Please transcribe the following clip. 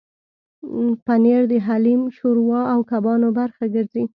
پنېر د حلیم، شوروا او کبابو برخه ګرځي.